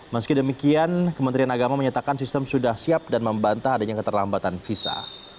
meski demikian kementerian agama menyatakan sistem sudah siap dan membantah adanya keterlambatan visa